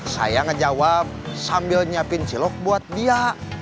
saya ngejawab sambil nyiapin cilok buat dia